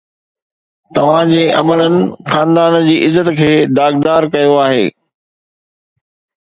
توهان جي عملن خاندان جي عزت کي داغدار ڪيو آهي